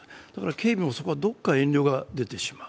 警備もどこか遠慮が出てしまう。